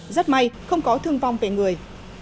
rất may không có thương vong về người